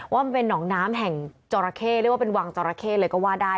ว่ามันเป็นหนองน้ำแห่งจอราเข้เรียกว่าเป็นวังจราเข้เลยก็ว่าได้